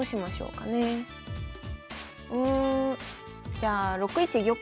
うんじゃあ６一玉。